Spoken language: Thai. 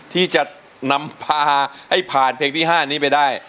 ที่จะนำพาให้ผ่านเพลงที่๕นี้ไปได้